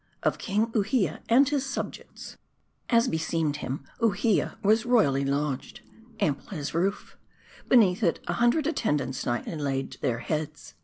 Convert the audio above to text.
OF KING UHIA AND HIS SUBJECTS. As beseemed him, Uhia was royally lodged. Ample his roof. Beneath it a hundred attendants nightly laying their heads.